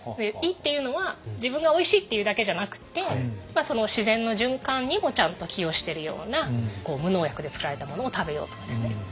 いいっていうのは自分がおいしいっていうだけじゃなくてその自然の循環にもちゃんと寄与してるような無農薬で作られたものを食べようとかですね。